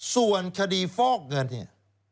ส่วนคดีฟอกเงินเนี่ย